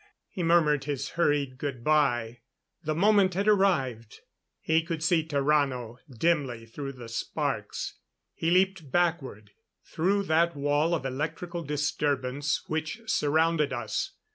He murmured his hurried good bye. The moment had arrived. He could see Tarrano dimly through the sparks. He leaped backward, through that wall of electrical disturbance which surrounded us.